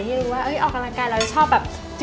ว่าเราเจอใครที่รู้ว่าออกกำลังกายเราจะชอบแบบ